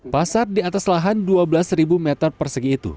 pasar di atas lahan dua belas meter persegi itu